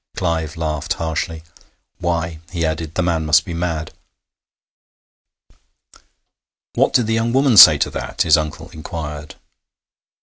Clive laughed harshly. 'Why,' he added, 'the man must be mad!' 'What did the young woman say to that?' his uncle inquired.